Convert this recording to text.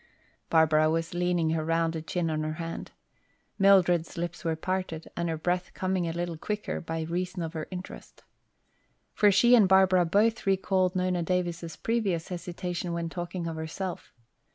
Barbara was leaning her rounded chin on her hand. Mildred's lips were parted and her breath coming a little quicker by reason of her interest. For she and Barbara both recalled Nona Davis' previous hesitation when talking of herself.